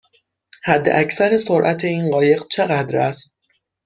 حداکثر سرعت این قایق چقدر است؟